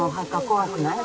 怖くない。